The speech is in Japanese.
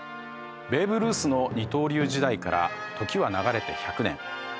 ベーブ・ルースの二刀流時代から時は流れて１００年。